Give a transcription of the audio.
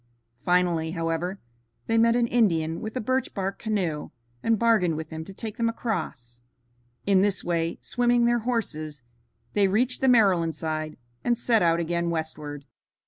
Finally, however, they met an Indian with a birch bark canoe and bargained with him to take them across. In this way, swimming their horses, they reached the Maryland side, and set out again westward.